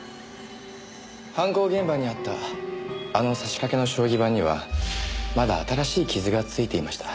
犯行現場にあったあの指しかけの将棋盤にはまだ新しい傷がついていました。